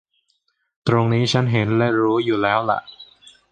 ตรงนี้ฉันเห็นและรู้อยู่แล้วหละ